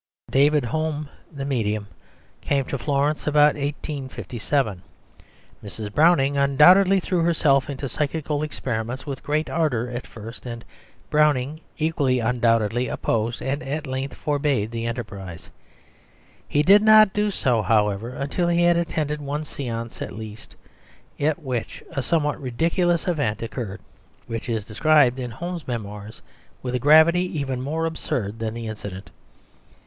David Home, the medium, came to Florence about 1857. Mrs. Browning undoubtedly threw herself into psychical experiments with great ardour at first, and Browning, equally undoubtedly, opposed, and at length forbade, the enterprise. He did not do so however until he had attended one séance at least, at which a somewhat ridiculous event occurred, which is described in Home's Memoirs with a gravity even more absurd than the incident.